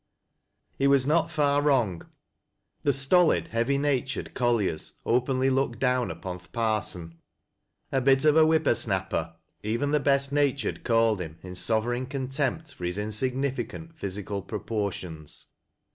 He was not far wrong. The stolid heavy natured col li'Srs openly looked down upon ' th' parson.' A ' bit of a whipper snapper,' even the best natured called him in sovereign contempt for his insignificant physical propor tions.